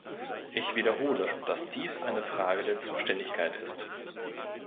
Ich wiederhole, dass dies eine Frage der Zuständigkeit ist.